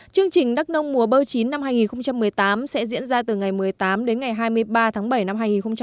chương trình đắk nông mùa bơ chín năm hai nghìn một mươi tám sẽ diễn ra từ ngày một mươi tám đến ngày hai mươi ba tháng bảy năm hai nghìn một mươi chín